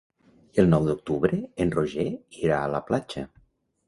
El nou d'octubre en Roger irà a la platja.